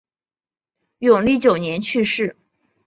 永历九年去世。